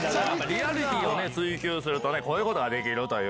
リアリティーを追求するとこういうことができるというね。